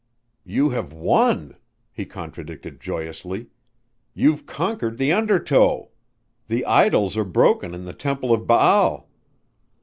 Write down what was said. "You have won," he contradicted joyously. "You've conquered the undertow. 'The idols are broken in the Temple of Baal.'"